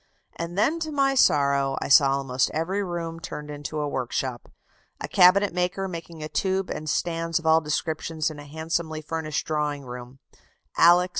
82. Principle of Newtonian reflector.] "And then, to my sorrow, I saw almost every room turned into a workshop. A cabinet maker making a tube and stands of all descriptions in a handsomely furnished drawing room; Alex.